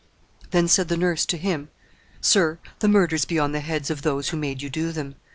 Then said the nurse to him, 'Sir, the murders be on the heads of those who made you do them!